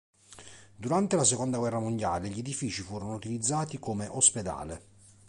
Durante la seconda guerra mondiale gli edifici furono utilizzati come ospedale.